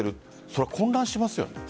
それは混乱しますよね。